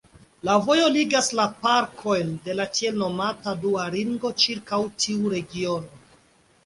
La vojo ligas la parkojn de la tiel nomata "dua ringo" ĉirkaŭ tiu regiono.